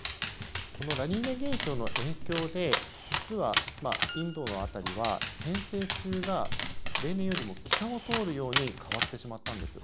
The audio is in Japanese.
このラニーニャ現象の影響で実はインドの辺りは偏西風が例年よりも北を通るように変わってしまったんです。